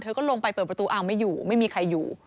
ก็ลงไปเปิดประตูอ้าวไม่อยู่ไม่มีใครอยู่